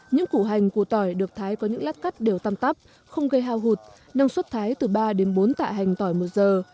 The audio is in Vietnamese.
những củ hành của tỏi được thái có những lát cắt đều tăm tắp không gây hao hụt năng suất thái từ ba đến bốn tạ hành tỏi một giờ